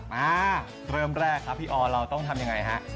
มาเริ่มแรกครับพี่ออเราต้องทำยังไงฮะ